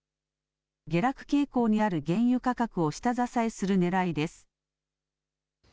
下落傾向にある原油価格を下支えするねらいです。